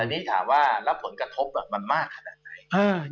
แต่นี่ถามว่ารับผลกระทบแบบมันมากขนาดไหน